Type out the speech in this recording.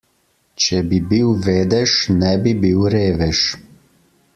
Če bi bil vedež, ne bi bil revež.